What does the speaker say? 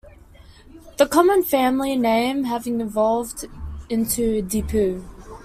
The common family name having evolved into dePoo.